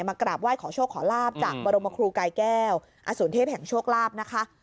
กราบไหว้ขอโชคขอลาบจากบรมครูกายแก้วอสูรเทพแห่งโชคลาภนะคะ